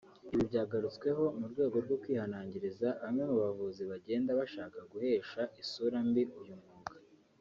Ibi byagarutsweho mu rwego rwo kwihanangiriza bamwe mu bavuzi bagenda bashaka guhesha isura mbi uyu mwuga